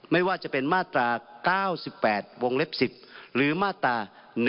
ไม่ว่าจะเป็นมาตรา๙๘วงเล็บ๑๐หรือมาตรา๑๑